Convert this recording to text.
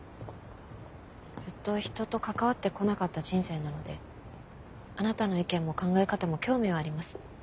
ずっと人と関わってこなかった人生なのであなたの意見も考え方も興味はあります。